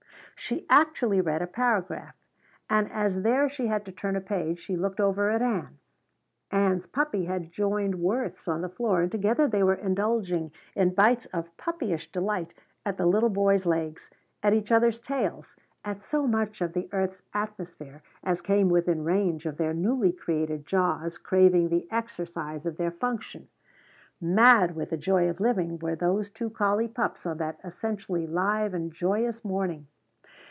She actually read a paragraph; and as there she had to turn a page she looked over at Ann. Ann's puppy had joined Worth's on the floor and together they were indulging in bites of puppyish delight at the little boy's legs, at each other's tails, at so much of the earth's atmosphere as came within range of their newly created jaws craving the exercise of their function. Mad with the joy of living were those two collie pups on that essentially live and joyous morning.